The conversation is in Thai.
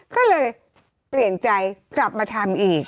ก็เลยเปลี่ยนใจกลับมาทำอีก